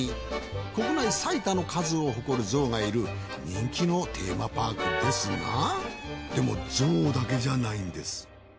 国内最多の数を誇るぞうがいる人気のテーマパークですがでもぞうだけじゃないんです。